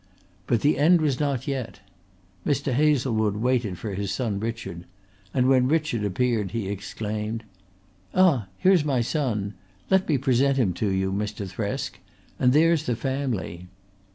But the end was not yet. Mr. Hazlewood waited for his son Richard, and when Richard appeared he exclaimed: "Ah, here's my son. Let me present him to you, Mr. Thresk. And there's the family."